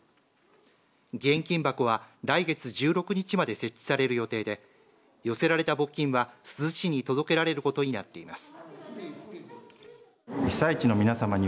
義援金箱は来月１６日まで設置される予定で寄せられた募金は珠洲市に届けられることになっています。